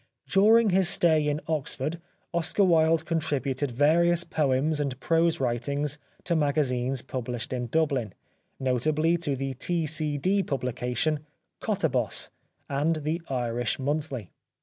During his stay in Oxford Oscar Wilde contri buted various poems and prose writings to maga zines published in Dubhn, notably to the T.C.D. pubhcation, Kottahos, and The Irish Monthly.